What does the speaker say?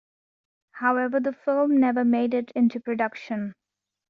However, the film never made it into production.